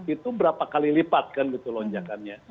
itu berapa kali lipat kan gitu lonjakannya